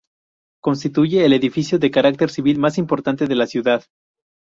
Constituye el edificio de carácter civil más importante de la ciudad.